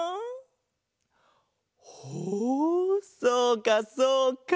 ほうそうかそうか。